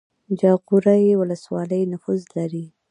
جاغوری ولسوالۍ نفوس لري؟